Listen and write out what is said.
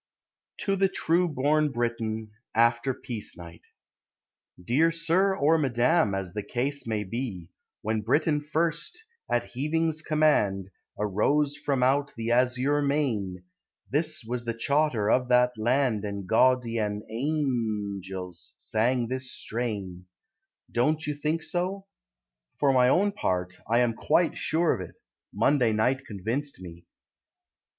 TO THE TRUE BORN BRITON (After Peace Night) Dear Sir, or Madam, As the case may be, When Britain first, At Heaving's command, Arose from out The azure main, This was the chawter Of that land And gawdian a a a a angels Sang this strain: Don't you think so? For my own part, I am quite sure of it: Monday night convinced me.